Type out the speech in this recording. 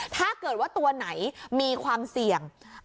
ถ้าเกิดว่าตัวไหนมีความเสี่ยง